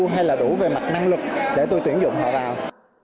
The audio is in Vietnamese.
hay là đủ về mặt năng lực để tôi tuyển dụng họ vào